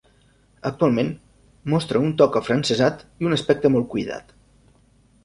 Actualment, mostra un toc afrancesat i un aspecte molt cuidat.